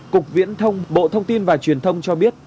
cục viễn thông bộ thông tin và truyền thông cho biết